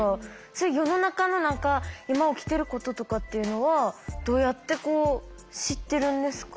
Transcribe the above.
世の中の今起きてることとかっていうのはどうやって知ってるんですか？